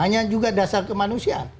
hanya juga dasar kemanusiaan